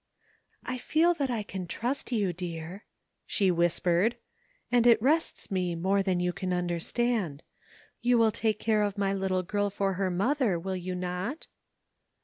"I feel that I can trust you, dear," she whis pered, '' and it rests me more than you can understand. You will take care of my little girl for her mother, will you not?"